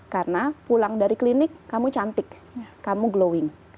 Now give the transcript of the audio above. karena pulang dari klinik kamu cantik kamu glowing